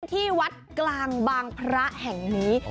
ที่วัดกลางบางพระแห่งนี้